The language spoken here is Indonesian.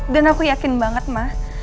dan aku yakin banget ma